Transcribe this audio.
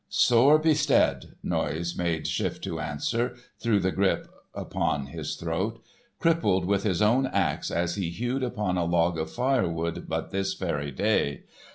"Sore bestead," Noise made shift to answer, through the grip upon his throat. "Crippled with his own axe as he hewed upon a log of firewood but this very day.